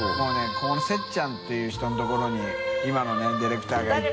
ここのせっちゃんていう人の所に里ディレクターが行って。